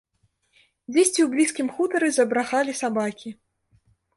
Дзесьці ў блізкім хутары забрахалі сабакі.